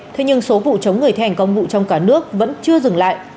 thế nhưng số vụ chống người thi hành công vụ trong cả nước vẫn chưa dừng lại